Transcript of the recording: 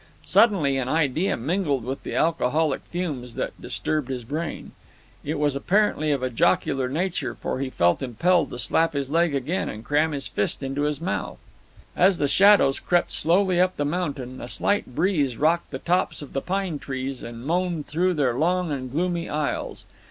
Suddenly an idea mingled with the alcoholic fumes that disturbed his brain. It was apparently of a jocular nature, for he felt impelled to slap his leg again and cram his fist into his mouth. As the shadows crept slowly up the mountain, a slight breeze rocked the tops of the pine trees, and moaned through their long and gloomy aisles.